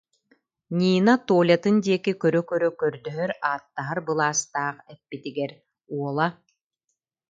Нина Толятын диэки көрө-көрө көрдөһөр-ааттаһар былаастаах эппитигэр уола: